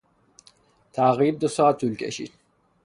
تعقیب دوساعت طول کشید.